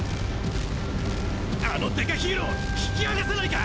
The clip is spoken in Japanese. あのデカヒーロー引き剥がせないか！？